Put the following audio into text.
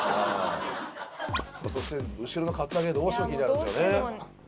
さあそして後ろのカツアゲどうしても気になるんですよね。